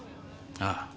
ああ。